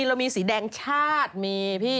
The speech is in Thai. เรามีสีแดงชาติมีพี่